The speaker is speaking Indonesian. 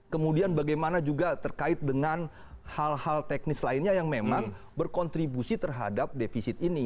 kemudian bagaimana juga terkait dengan hal hal teknis lainnya yang memang berkontribusi terhadap defisit ini